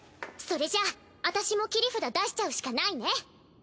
それじゃあ私も切り札出しちゃうしかないね。